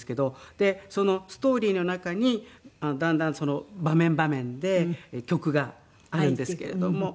でそのストーリーの中にだんだん場面場面で曲があるんですけれども。